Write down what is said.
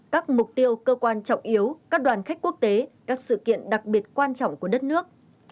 các mục tiêu cơ quan trọng yếu các đoàn khách quốc tế các sự kiện đặc biệt quan trọng của đất nước